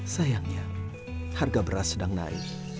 sayangnya harga beras sedang naik